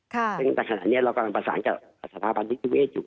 ซึ่งในขณะนี้เรากำลังประสานกับสถาบันนิติเวศอยู่